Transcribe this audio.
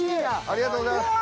ありがとうございます。